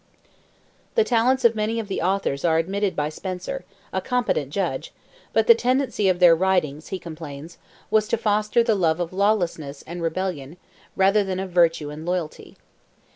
The talents of many of the authors are admitted by Spenser, a competent judge, but the tendency of their writings, he complains, was to foster the love of lawlessness and rebellion rather than of virtue and loyalty.